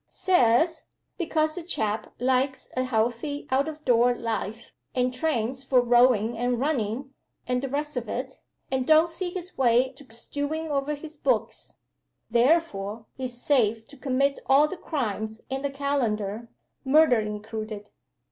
Says because a chap likes a healthy out of door life, and trains for rowing and running, and the rest of it, and don't see his way to stewing over his books therefore he's safe to commit all the crimes in the calendar, murder included.